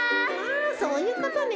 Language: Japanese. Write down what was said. そういうことね！